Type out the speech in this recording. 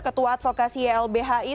ketua advokasi ylbhi